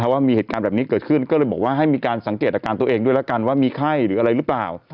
ว่ามีเหตุการณ์แบบนี้เกิดขึ้นก็เลยบอกว่าให้มีการสังเกตอาการตัวเองด้วยแล้วกันว่ามีไข้หรืออะไรหรือเปล่า